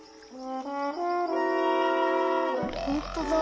ほんとだ。